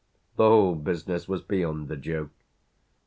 The whole business was beyond a joke.